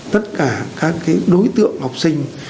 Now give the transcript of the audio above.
tất cả các đối tượng học sinh